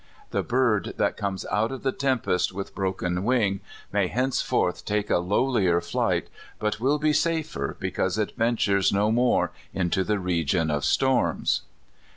The bird that comes out of the tempest with bro ken wing may henceforth take a lowlier flight, but will be safer because it ventures no more into the region of storms.